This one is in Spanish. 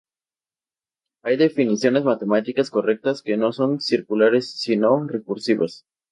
Hay definiciones matemáticas correctas que no son circulares sino recursivas.